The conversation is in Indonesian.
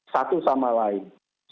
satu sama lain